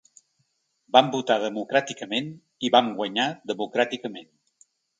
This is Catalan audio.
Vam votar democràticament i vam guanyar democràticament.